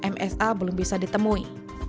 msa belum bisa ditemui